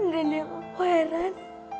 dan yang aku heran